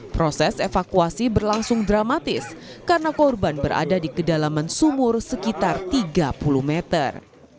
proses evakuasi berlangsung dramatis karena korban berada di kedalaman sumur sekitar tiga puluh meter